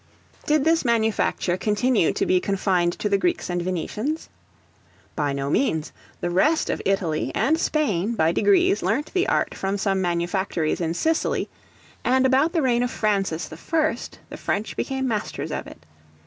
Did this manufacture continue to be confined to the Greeks and Venetians? By no means. The rest of Italy, and Spain, by degrees learnt the art from some manufactories in Sicily; and about the reign of Francis the First, the French became masters of it.